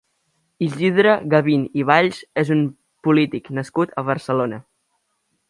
Isidre Gavín i Valls és un polític nascut a Barcelona.